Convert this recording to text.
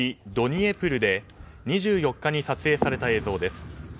ドニエプルで２４日に撮影された映像です。